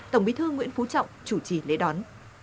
tổng bí thư nguyễn phú trọng chủ trì lễ đón